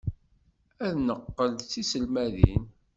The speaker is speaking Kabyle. Ad neqqel d tiselmadin.